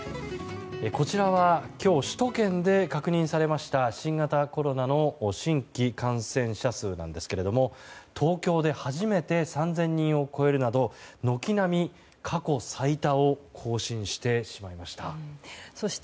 こちらは今日首都圏で確認されました新型コロナの新規感染者数なんですが東京で初めて３０００人を超えるなど軒並み過去最多を更新してしまいました。